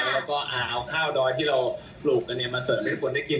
เราก็าอ่าเอาข้าวดอยที่เรากลุกอันนี้มาเสิร์ฟให้ทุกคนได้กิน